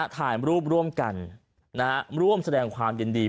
ถ่ายรูปร่วมกันร่วมแสดงความยินดี